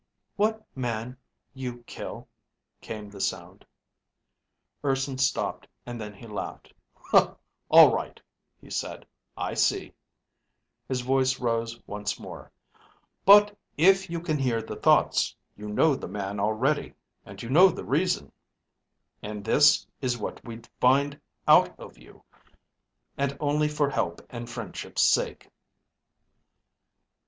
What ... man ... you ... kill ... came the sound. Urson stopped, and then he laughed. "All right," he said. "I see." His voice rose once more. "But if you can hear thoughts, you know the man already. And you know the reason. And this is what we'd find out of you, and only for help and friendship's sake."